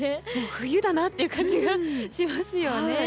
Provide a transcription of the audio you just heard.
冬だなっていう感じがしますよね。